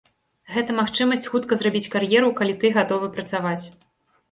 Гэта магчымасць хутка зрабіць кар'еру, калі ты гатовы працаваць.